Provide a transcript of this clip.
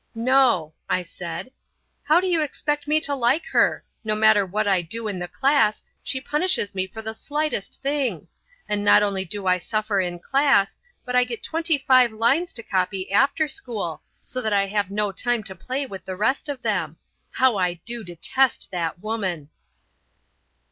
"No," I said, "How do you expect me to like her? No matter what I do in the class she punishes me for the slightest thing; and not only do I suffer in class, but I get twenty five lines to copy after school, so that I have no time to play with the rest of them. How I do detest that woman!"